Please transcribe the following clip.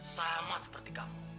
sama seperti kamu